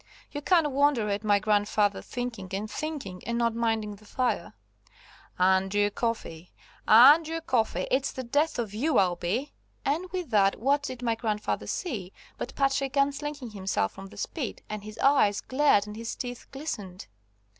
You can't wonder at my grandfather thinking and thinking and not minding the fire. "Andrew Coffey! Andrew Coffey! It's the death of you I'll be." And with that what did my grandfather see, but Patrick unslinging himself from the spit, and his eyes glared and his teeth glistened.